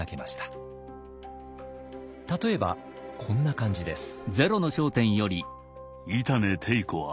例えばこんな感じです。